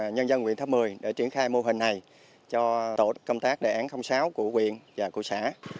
nhân dân huyện tháp một mươi đã triển khai mô hình này cho tổ công tác đề án sáu của huyện và cụ xã